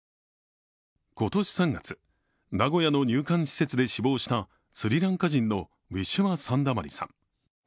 今年３月、名古屋の入管施設で死亡したスリランカ人のウィシュマ・サンダマリさん。